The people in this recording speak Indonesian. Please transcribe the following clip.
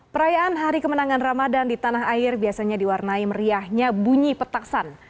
perayaan hari kemenangan ramadan di tanah air biasanya diwarnai meriahnya bunyi petasan